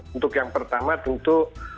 untuk yang pertama tentu